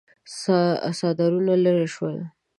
څادرونه ليرې شول.